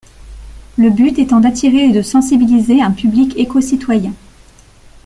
Le but étant d'attirer et de sensibiliser un public écocitoyen.